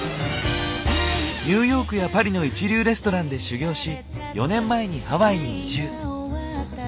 ニューヨークやパリの一流レストランで修業し４年前にハワイに移住。